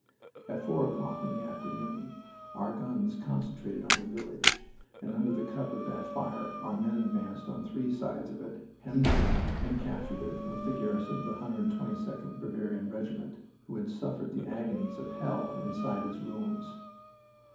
At four o'clock in the afternoon our guns concentrated on the village, and under the cover of that fire our men advanced on three sides of it, hemmed it in, and captured it with the garrison of the 122d Bavarian Regiment, who had suffered the agonies of hell inside its ruins.